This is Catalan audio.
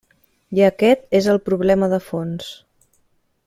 I aquest és el problema de fons.